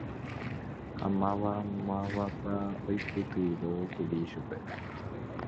Ha mavamávapa oipytyvõkuri chupe.